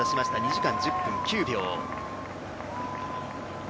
２時間１０分９秒。